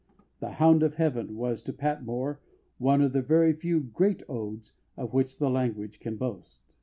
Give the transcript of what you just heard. The Hound of Heaven was to Patmore "one of the very few great odes of which the language can boast."